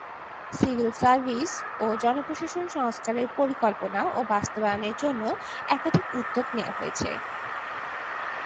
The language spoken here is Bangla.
সিভিল সার্ভিস ও জনপ্রশাসন সংস্কারের পরিকল্পনা ও বাস্তবায়নের জন্য একাধিক উদ্যোগ নেয়া হয়েছে।